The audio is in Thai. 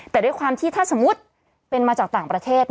แต่ด้วยความที่ถ้าสมมุติเป็นมาจากต่างประเทศ